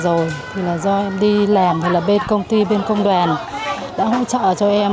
rồi do em đi làm thì là bên công ty bên công đoàn đã hỗ trợ cho em